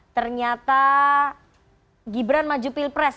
ternyata gibran maju pilpres